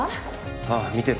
ああ見てる。